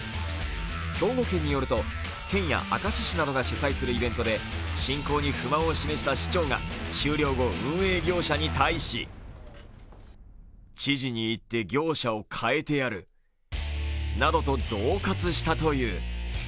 兵庫県によると、県や明石市などが主催するイベントで進行に不満を示した市長が終了後、運営業者に対しなどとどう喝したという。